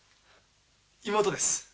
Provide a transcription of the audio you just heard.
妹です。